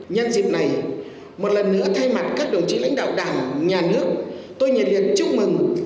nhân dịp này một lần nữa thay mặt các đồng chí lãnh đạo đảng nhà nước tôi nhiệt liệt chúc mừng